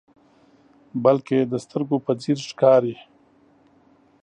بلکې د سترګو په څیر ښکاري.